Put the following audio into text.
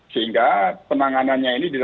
sehingga penanganannya ini